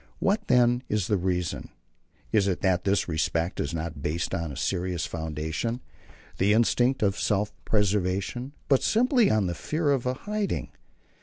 What, then, is the reason? It is that this respect is not based on a serious foundation the instinct of self preservation but simply on the fear of a hiding.